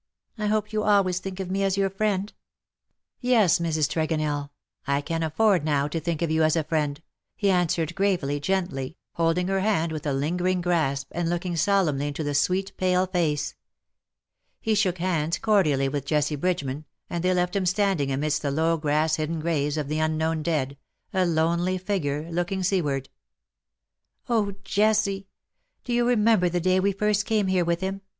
I hope you always think of me as your friend ?"" Yes^ Mrs. Tregonell^ I can afiPord now to think of you as a friend/'' he answered, gravely, gently, holding her hand Avith a lingering grasp, and looking solemnly into the sweet pale face. He shook hands cordially with Jessie Bridgeman, and they left him standing amidst the low grass hidden graves of the unknown dead — a lonely figure looking seaward. '^ Oh ! Jessie, do you remember the day we first came here with him?"